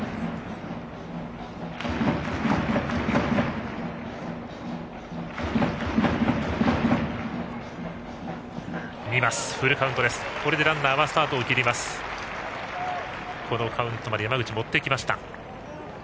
このカウントまで山口、持ってきました。